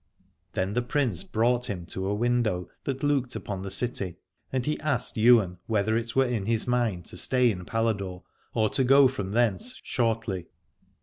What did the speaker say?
Then the Prince brought him to a window that looked upon the city, and he asked Ywain whether it were in his mind to stay in Pala dore or to go from thence shortly.